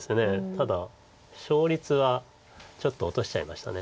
ただ勝率はちょっと落としちゃいました。